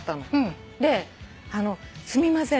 すみません